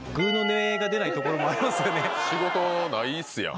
仕事ないっすやん。